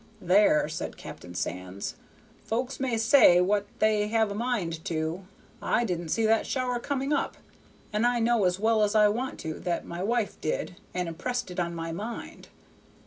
"There!" said Captain Sands, "folks may say what they have a mind to; I didn't see that shower coming up, and I know as well as I want to that my wife did, and impressed it on my mind.